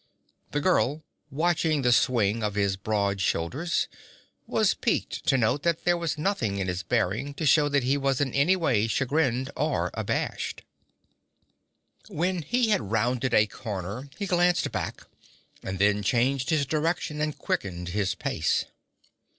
The girl, watching the swing of his broad shoulders, was piqued to note that there was nothing in his bearing to show that he was in any way chagrined or abashed. When he had rounded a corner, he glanced back, and then changed his direction and quickened his pace.